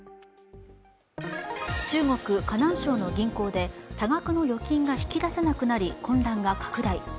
中国・河南省の銀行で多額の預金が引き出せなくなり混乱が拡大。